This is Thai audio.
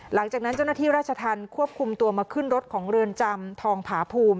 หลังจากนั้นเจ้าหน้าที่ราชทันควบคุมตัวมาขึ้นรถของเรือนจำทองผาพูม